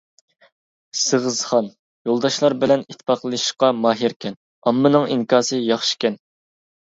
سېغىزخان: يولداشلار بىلەن ئىتتىپاقلىشىشقا ماھىركەن، ئاممىنىڭ ئىنكاسى ياخشىكەن.